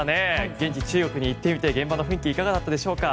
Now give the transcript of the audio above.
現地・中国に行ってみて現場の雰囲気いかがでしたか？